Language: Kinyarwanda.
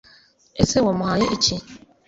ese wamuhaye iki